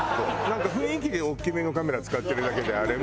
なんか雰囲気で大きめのカメラ使ってるだけであれ